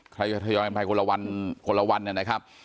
ใครย้อนกันไปคนละวันคนละวันเนี่ยนะครับ